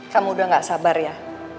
kamu udah gak sabar ya